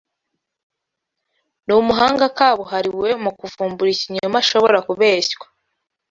N’umuhanga kabuhariwe mu kuvumbura ikinyoma ashobora kubeshywa